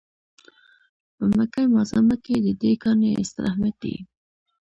په مکه معظمه کې د دې کاڼي ستر اهمیت دی.